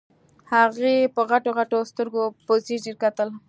هغې په غټو غټو سترګو په ځير ځير کتل.